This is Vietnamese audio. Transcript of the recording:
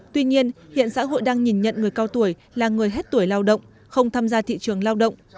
tuy nhiên hiện xã hội đang nhìn nhận người cao tuổi là người hết tuổi lao động không tham gia thị trường lao động